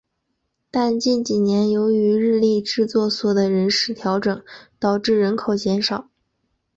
但近几年由于日立制作所的人事调整导致人口减少。